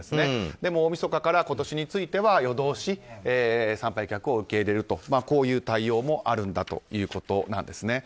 でも大みそかから今年については夜通し、参拝客を受け入れるとこういう対応もあるんだということなんです。